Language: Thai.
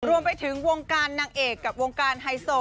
รวมไปถึงวงการนางเอกกับวงการไฮโซ